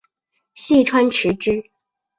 细川持之。